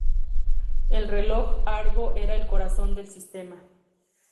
El reloj Argo era el corazón del sistema.